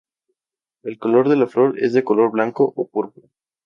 El color de la flor es de color blanco o púrpura.